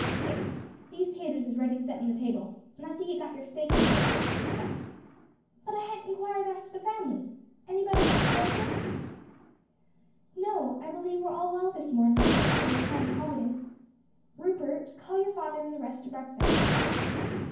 "Here these taters is ready to set on the table, and I see you've got your steak and biscuits dished up. But I hain't inquired after the fam'ly. Anybody got the agur?" "No, I believe we are all well this morning thanks to a kind Providence. Rupert, call your father and the rest to breakfast."